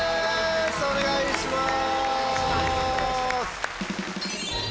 お願いします。